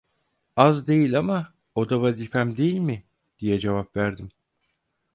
Az değil ama, o da vazifem değil mi? diye cevap verdim.